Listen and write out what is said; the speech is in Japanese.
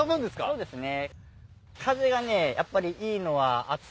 そうですね。